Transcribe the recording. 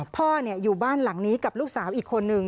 พ่ออยู่บ้านหลังนี้กับลูกสาวอีกคนนึง